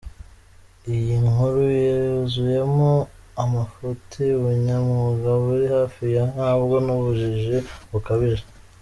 Iyi nkuru yuzuyemo amafuti, ubunyamwuga buri hafi ya ntabwo n’ubujiji bukabije.